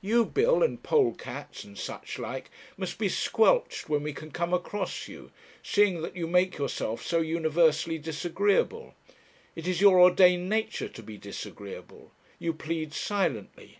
You, Bill, and polecats, and such like, must be squelched when we can come across you, seeing that you make yourself so universally disagreeable. It is your ordained nature to be disagreeable; you plead silently.